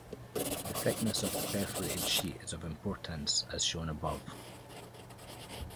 The thickness of the perforated sheet is of importance, as shown above.